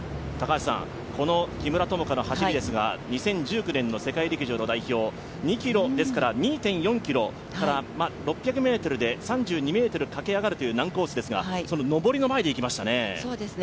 木村友香の走りですが、２０１９年の世界陸上の代表、２．４ｋｍで６００ｍで３２ｍ駆け上がるという難コースですが、その上りの前でいきましたね。